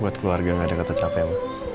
buat keluarga gak ada kata capek